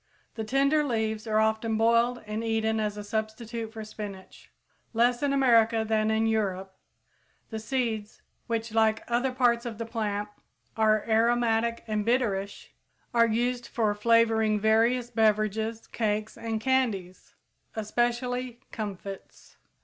The tender leaves are often boiled and eaten as a substitute for spinach. Less in America than in Europe, the seeds, which, like other parts of the plant, are aromatic and bitterish, are used for flavoring various beverages, cakes, and candies, especially "comfits."